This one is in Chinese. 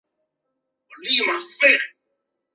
极性溶剂为包含键偶极矩的分子结构。